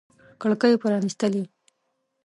کړکۍ پرانیستلي